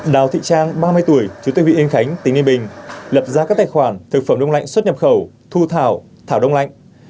đào thị trang ba mươi tuổi chú tây vị yên khánh tỉnh yên bình lập ra các tài khoản thực phẩm đông lạnh xuất nhập khẩu thu thảo thảo đông lạnh